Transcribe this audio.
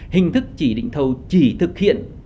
hình thức chỉ định thầu chỉ thực hiện